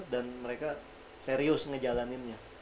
dan mereka serius ngejalaninnya